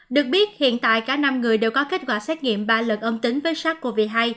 được biết hiện tại cả năm người đều có kết quả xét nghiệm ba lần âm tính với sars cov hai